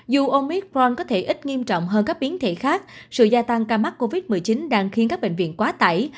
dù ôngitron có thể ít nghiêm trọng hơn các biến thể khác sự gia tăng ca mắc covid một mươi chín đang khiến các bệnh viện quá tải